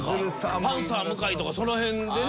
パンサー向井とかその辺でね。